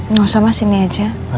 nggak usah mas sini aja